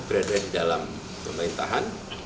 berada di dalam pemerintahan